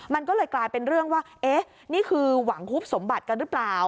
มันก็เลยกลายเป็นเรื่องว่าเอ๊ะนี่คือหวังคุบสมบัติกันหรือเปล่า